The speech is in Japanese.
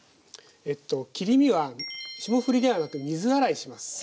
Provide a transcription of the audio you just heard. えっと切り身は霜降りではなく水洗いします。